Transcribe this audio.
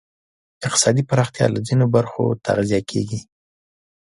اقتصادي پراختیا له ځینو برخو تغذیه کېږی.